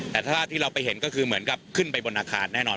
แต่ถ้าที่เราไปเห็นก็คือเหมือนกับขึ้นไปบนอาคารแน่นอน